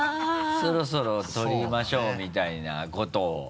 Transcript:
そろそろ撮りましょうみたいなことを。